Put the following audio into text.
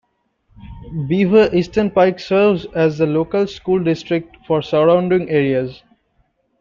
Beaver Eastern Pike serves as the local school district for surrounding areas.